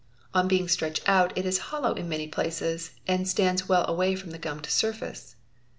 On being stretched out it is hollow in many places and stands fell away from the gummed surface.